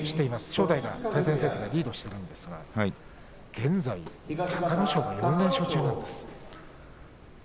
正代が対戦成績リードしているんですが現在、隆の勝が４連勝中です。